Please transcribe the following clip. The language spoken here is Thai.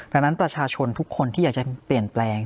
ดังนั้นประชาชนทุกคนที่อยากจะเปลี่ยนแปลง